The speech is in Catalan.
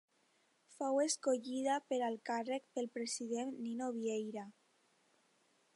Fou escollida per al càrrec pel president Nino Vieira.